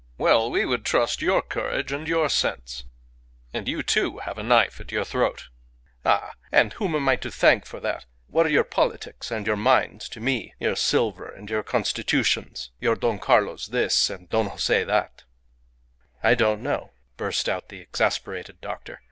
"Well, we would trust your courage and your sense. And you, too, have a knife at your throat." "Ah! And whom am I to thank for that? What are your politics and your mines to me your silver and your constitutions your Don Carlos this, and Don Jose that " "I don't know," burst out the exasperated doctor.